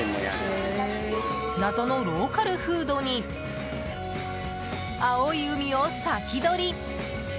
謎のローカルフードに青い海を先取り。